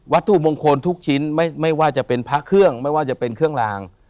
ถูกมงคลทุกชิ้นไม่ว่าจะเป็นพระเครื่องไม่ว่าจะเป็นเครื่องลาง